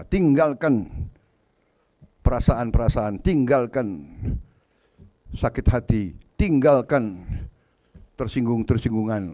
tinggalkan perasaan perasaan tinggalkan sakit hati tinggalkan tersinggung tersinggungan